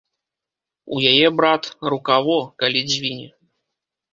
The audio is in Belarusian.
У яе, брат, рука во, калі дзвіне!